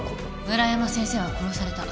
村山先生は殺された。